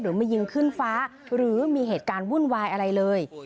มายิงขึ้นฟ้าหรือมีเหตุการณ์วุ่นวายอะไรเลย